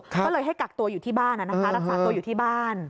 ก็เลยให้กักตัวอยู่ที่บ้านรักษาตัวอยู่ที่บ้าน